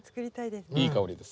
いい香りです。